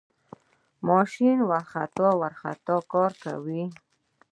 ماشین ورخطا ورخطا کار کاوه.